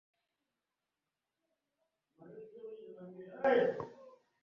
তখন নৌকা চলাচলের জন্য অনুপযোগী হয়ে পড়ে।